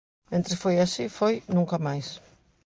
Mentres foi así, foi Nunca Máis.